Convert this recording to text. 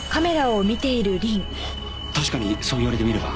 確かにそう言われてみれば。